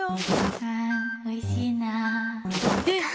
ああおいしいな。